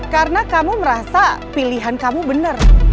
karena kamu merasa pilihan kamu bener